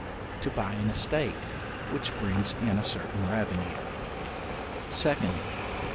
To buy an estate, which brings in a certain revenue. 2d.